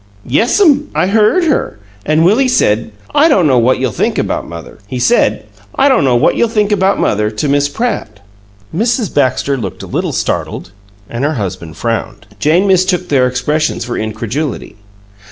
"Yes m, I HEARD her. An' Willie said, 'I don't know what you'll think about mother.' He said, 'I don't know what you'll think about mother,' to Miss Pratt." Mrs. Baxter looked a little startled, and her husband frowned. Jane mistook their expressions for incredulity.